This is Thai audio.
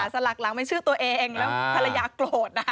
สลักหลังเป็นชื่อตัวเองแล้วภรรยาโกรธ